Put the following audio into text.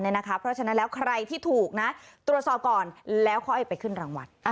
เพราะฉะนั้นแล้วใครที่ถูกนะตรวจสอบก่อนแล้วค่อยไปขึ้นรางวัล